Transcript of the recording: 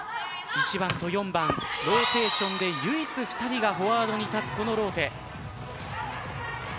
１番と４番ローテーションで唯一２人がフォワードに立つこのローテ。